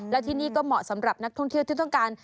และที่นี่ก็เหมาะสำหรับนักท่องเที่ยวที่ต้องการ